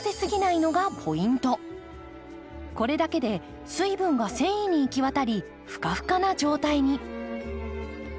これだけで水分が繊維に行き渡りふかふかな状態に。